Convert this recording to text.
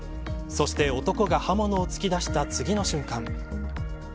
そして男が刃物を突き出した次の瞬間